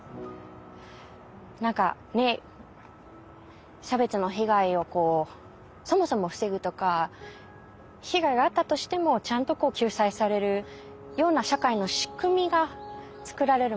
何かねっ差別の被害をそもそも防ぐとか被害があったとしてもちゃんと救済されるような社会の仕組みがつくられるまで。